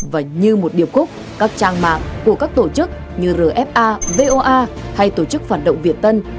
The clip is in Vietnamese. và như một điệp khúc các trang mạng của các tổ chức như rfa voa hay tổ chức phản động việt tân